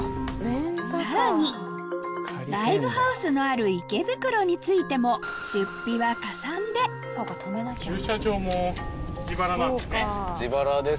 さらにライブハウスのある池袋に着いても出費はかさんでありますけど。